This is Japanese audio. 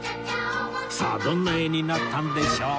さあどんな絵になったんでしょう？